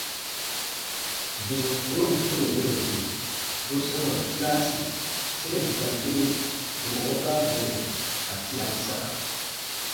Bibu kpuron keu wɛ̃ɛbu bu sãawa tiraasi sere bù ka turi wɔ̃ɔ wukura nɔɔbu ka tian saka.